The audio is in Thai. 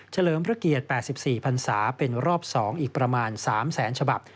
เลิมพระเกียรติ๘๔พันศาเป็นรอบ๒อีกประมาณ๓แสนฉบับ